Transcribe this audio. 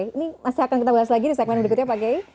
ini masih akan kita bahas lagi di segmen berikutnya pak kiai